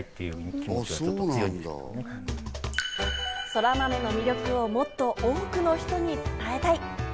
そらまめの魅力をもっと多くの人に伝えたい。